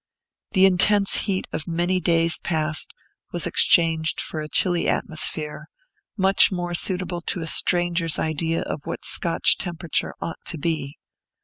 The intense heat of many days past was exchanged for a chilly atmosphere, much more suitable to a stranger's idea of what Scotch temperature ought to be.